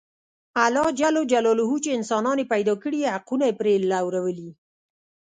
الله ج چې انسانان یې پیدا کړي حقونه یې پرې لورولي.